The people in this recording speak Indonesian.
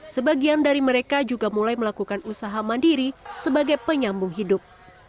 sebagian dari mereka juga mulai melakukan usaha mandiri sebagai penyambung hidup